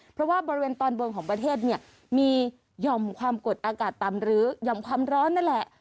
เพราะว่าบริเวณตอนบนของประเทศเนี่ยมีหย่อมความกดอากาศต่ำหรือห่อมความร้อนนั่นแหละ